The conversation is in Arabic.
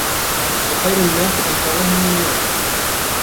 وَخَيْرُ النَّاسِ أَنْفَعُهُمْ لِلنَّاسِ